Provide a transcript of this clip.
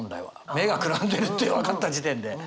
目が眩んでるって分かった時点で。